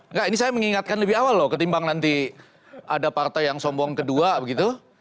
enggak ini saya mengingatkan lebih awal loh ketimbang nanti ada partai yang sombong kedua begitu